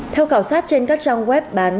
theo khảo sát trên các trang web bán